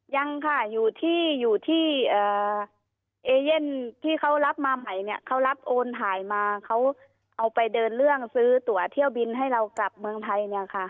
ยังค่ะอยู่ที่อยู่ที่เอเย่นที่เขารับมาใหม่เนี่ยเขารับโอนถ่ายมาเขาเอาไปเดินเรื่องซื้อตัวเที่ยวบินให้เรากลับเมืองไทยเนี่ยค่ะ